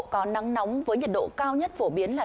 có nắng nóng với nhiệt độ cao nhất phổ biến là